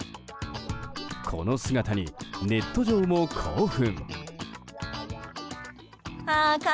この姿にネット上も興奮。